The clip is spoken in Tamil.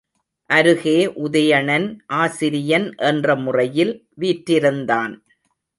அருகே உதயணன் ஆசிரியன் என்ற முறையில் வீற்றிருந்தான்.